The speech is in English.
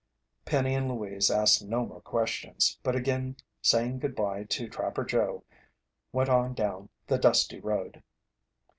Penny and Louise asked no more questions, but again saying goodbye to Trapper Joe, went on down the dusty road.